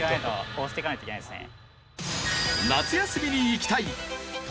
押していかないといけないですね。